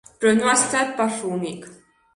Però no ha estat pas l’únic.